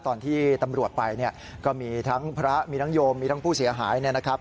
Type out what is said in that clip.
ตอนที่ตำรวจไปก็มีทั้งพระมีนังโยมมีทั้งผู้เสียหายนะครับ